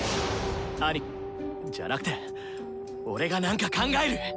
アニじゃなくて俺が何か考える！